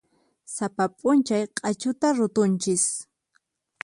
Sapa p'unchay q'achuta rutunchis.